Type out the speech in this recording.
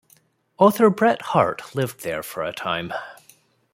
Author Bret Harte lived there for a time.